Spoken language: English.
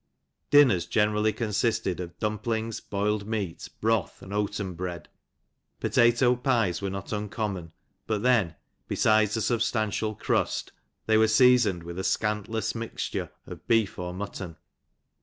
Dinners generally consisted of dumplings, boiled meat, broth and oaten bread. Potato pies were not uncommon, but then, besides a substantial crust, they were sea soned with a scantless mixture of beef or mutton.